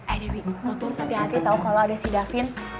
eh dewi lo tuh hati hati tau kalo ada si davin